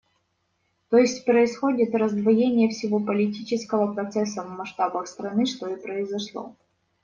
То есть происходит раздвоение всего политического процесса в масштабах страны, что и произошло.